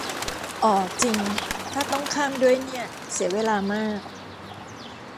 อ่อจริง ถ้าต้องข้าม ด้วยเนี่ย เสียเวลามาก